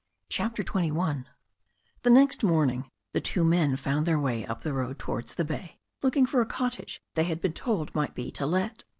CHAPTER XXI THE next morning the two men found their way up the road towards the bay, looking for a cottage they had been told might be to let.